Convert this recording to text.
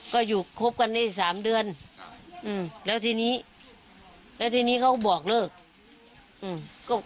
ก็อยู่คบกันได้สามเดือนอืมแล้วทีนี้แล้วทีนี้เขาก็บอกเลิกอืม